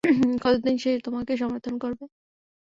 কতদিন সে তোমাকে সমর্থন করবে?